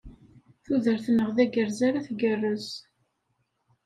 Tudert-nneɣ, d agerrez ara tgerrez.